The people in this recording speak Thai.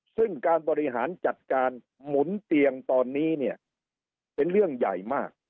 ซึ่งการบริหารจัดการหมุนเตียงตอนนี้เนี่ยเป็นเรื่องใหญ่มาก